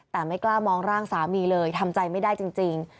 แต่ไม่กล้ามองร่างสามีเลยทำใจไม่ได้จริง